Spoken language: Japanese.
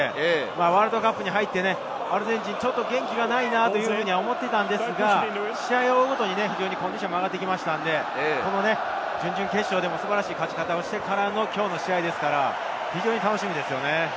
ワールドカップに入ってアルゼンチン、ちょっと元気がないなと思っていたんですが、試合を追うごとにコンディションが上がってきましたので、準々決勝でも素晴らしい勝ち方をしてからのきょうの試合ですから楽しみです。